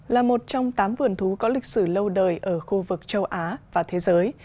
là một trong tám vườn thú có lịch sử lâu đời ở khu vực châu á và thế giới